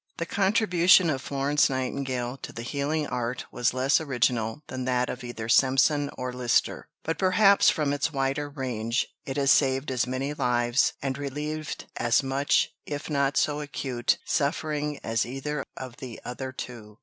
The contribution of Florence Nightingale to the healing art was less original than that of either Simpson or Lister; but perhaps, from its wider range, it has saved as many lives, and relieved as much, if not so acute, suffering as either of the other two.